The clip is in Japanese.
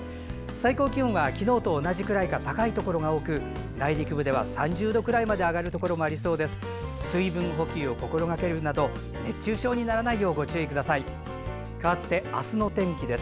最高気温は昨日と同じくらいか高いところが多く内陸部では３０度くらいまで上がるところもありそうです。